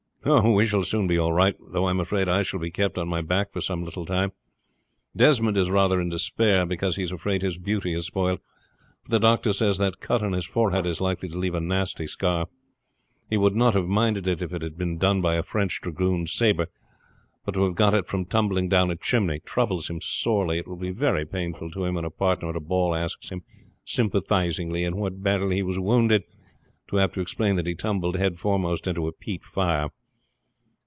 "Oh, we shall soon be all right; though I am afraid I shall be kept on my back for some little time. Desmond is rather in despair, because he is afraid his beauty is spoiled; for the doctor says that cut on his forehead is likely to leave a nasty scar. He would not have minded it if it had been done by a French dragoon saber; but to have got it from tumbling down a chimney troubles him sorely. It will be very painful to him when a partner at a ball asks him sympathizingly in what battle he was wounded, to have to explain that he tumbled head foremost into a peat fire."